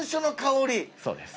そうです。